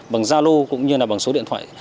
bằng giao lô cũng như là bằng số điện thoại